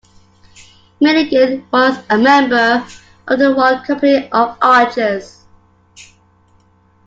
Milligan was a member of the Royal Company of Archers.